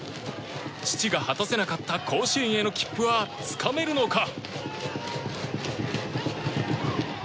父が果たせなかった甲子園への切符はつかめるのか。